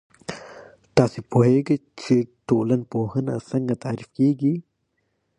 تاسو پوهیږئ چې ټولنپوهنه څنګه تعريف کیږي؟